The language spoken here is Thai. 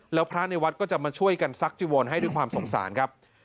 แล้วพระในวัดก็จะมาช่วยกันซักจีวอนให้ด้วยความสงสารครับ